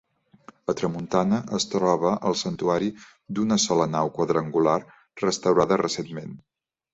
A tramuntana es troba el Santuari d’una sola nau quadrangular, restaurada recentment.